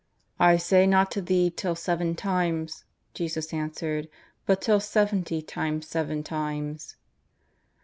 ^' I say not to thee till seven times," Jesus answered, *^ but till seventy times seven times."